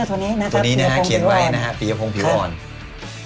วินิทรภาพเรียบขวงผิวอ่อนนะครับ